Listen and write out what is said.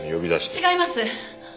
違います！